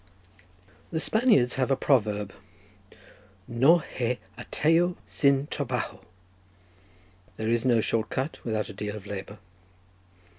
The Spaniards have a proverb: "No hay atajo sin trabajo," there is no short cut without a deal of labour.